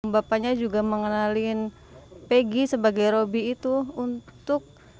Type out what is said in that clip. bapaknya juga mengenalin peggy sebagai robby itu